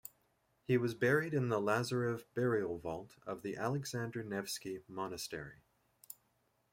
He was buried in the Lazarev burial-vault of the Alexander Nevsky Monastery.